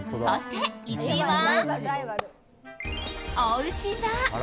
そして１位は、おうし座！